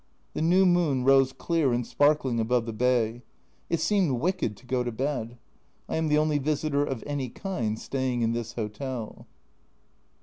The new moon rose clear and sparkling above the bay. It seemed wicked to go to bed. I am the only visitor of any kind staying in this hotel.